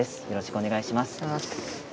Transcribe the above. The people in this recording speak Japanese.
よろしくお願いします。